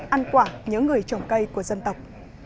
ăn quả nhớ người trồng cây của dân tộc